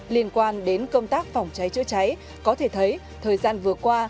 liên quan đến công tác phòng cháy chữa cháy có thể thấy thời gian vừa qua